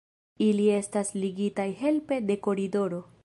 Ili estas ligitaj helpe de koridoro.